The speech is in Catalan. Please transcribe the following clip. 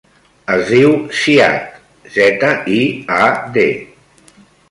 Es diu Ziad: zeta, i, a, de.